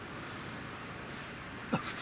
あっ。